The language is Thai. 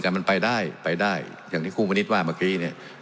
สวัสดีสวัสดีสวัสดีสวัสดีสวัสดี